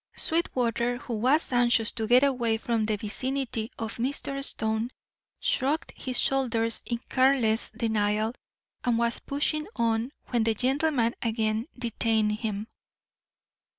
Sweetwater, who was anxious to get away from the vicinity of Mr. Stone, shrugged his shoulders in careless denial, and was pushing on when the gentleman again detained him.